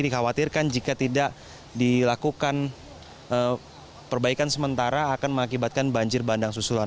jadi dikhawatirkan jika tidak dilakukan perbaikan sementara akan mengakibatkan banjir bandang susulan